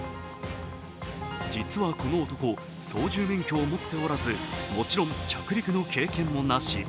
実はこの男、操縦免許を持っておらず、もちろん着陸の経験もなし。